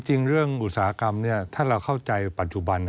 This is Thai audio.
จริงเรื่องอุตสาหกรรมถ้าเราเข้าใจปัจจุบัน